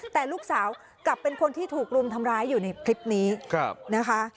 แต่ลูกสาวกลับเป็นคนที่ถูกรุมทำร้ายอยู่ในคลิปนี้นะคะ